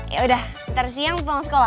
yaudah nanti siang pulang sekolah